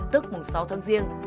tức sáu tháng riêng